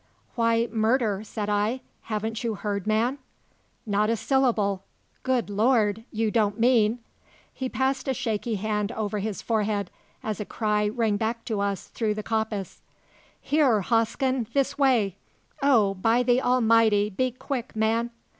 "Why, murder!" said I. "Haven't you heard, man?" "Not a syllable! Good Lord, you don't mean " He passed a shaky hand over his forehead as a cry rang back to us through the coppice. "Here, Hosken, this way! Oh, by the Almighty, be quick, man!"